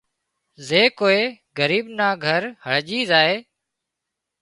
زي ڪوئي ڳريٻ نان گھر هرڄي زائي